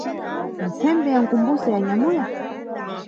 Mtsembe ya mkumbuso ya anyamuya?